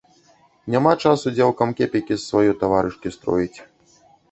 Няма часу дзеўкам кепікі з сваёй таварышкі строіць.